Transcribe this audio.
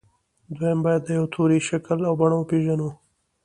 دويم بايد د يوه توري شکل او بڼه وپېژنو.